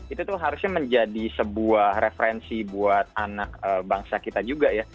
itu tuh harusnya menjadi sebuah referensi buat anak bangsa kita juga ya